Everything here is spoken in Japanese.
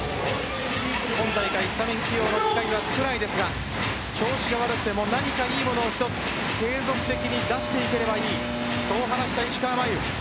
今大会、スタメン起用こそ少ないですが調子悪くても何かいいものを一つ継続的に出していけばいいと話した、石川真佑。